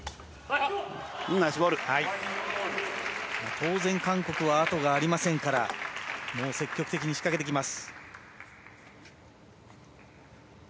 当然韓国はあとがありませんから積極的に仕掛けてきます。